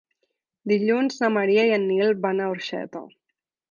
Dilluns na Maria i en Nil van a Orxeta.